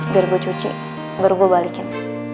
biar gua cuci baru gua balikin